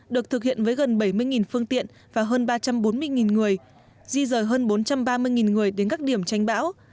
được thực hiện với gần bảy mươi phương tiện và hơn ba trăm bốn mươi người di rời hơn bốn trăm ba mươi người đến các điểm tranh bão